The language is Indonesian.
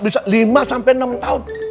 bisa lima sampai enam tahun